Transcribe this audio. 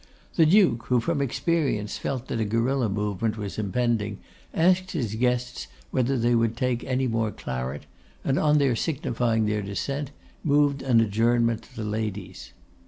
The Duke, who from experience felt that a guerilla movement was impending, asked his guests whether they would take any more claret; and on their signifying their dissent, moved an adjournment to the ladies.